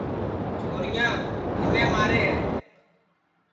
چھوریا کِنے مارے ہے